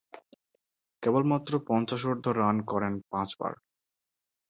কেবলমাত্র পঞ্চাশোর্ধ্ব রান করেন পাঁচবার।